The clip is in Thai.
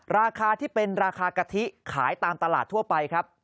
ราคาที่เป็นราคากะทิขายตามตลาดทั่วไปครับ